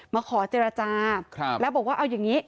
มาขอเจรจาแล้วบอกว่าเอาอย่างนี้